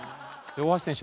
大橋選手